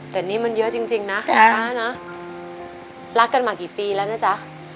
แต่นี่มันเยอะจริงนะคุณป้านะรักกันมากี่ปีแล้วนะจ๊ะ